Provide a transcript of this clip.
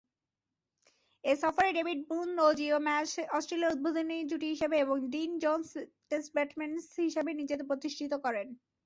এ সফরে David Boon ও Geoff Marsh অস্ট্রেলিয়ার উদ্বোধনী জুটি হিসেবে এবং ডিন জোন্স টেস্ট ব্যাটসম্যান হিসেবে নিজেদের প্রতিষ্ঠিত করেন।